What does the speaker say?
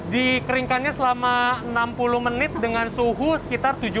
dikeringkannya selama enam puluh menit dengan suhu tujuh puluh hingga delapan puluh derajat celcius